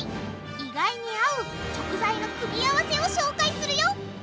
意外に合う食材の組み合わせを紹介するよ！